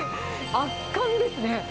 圧巻ですね。